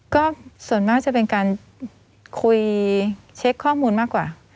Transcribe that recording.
ก็ส่วนมากจะเป็นการคุยเช็คข้อมูลมากกว่า